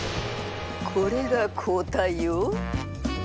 これが抗体よ！